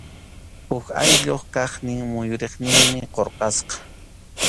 Huk ayllup kaqnin muyuriqninmi qurqaqa.